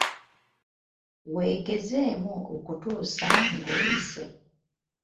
Weegezeemu okutuusa ng'oyize.